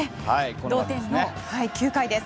同点９回です。